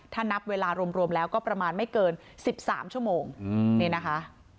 ถ้านับเวลารวมแล้วก็ประมาณไม่เกิน๑๓ชั่วโมงนี่นะคะ